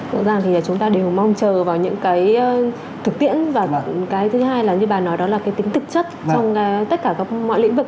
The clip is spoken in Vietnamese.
rõ ràng thì chúng ta đều mong chờ vào những cái thực tiễn và cái thứ hai là như bà nói đó là cái tính thực chất trong tất cả các mọi lĩnh vực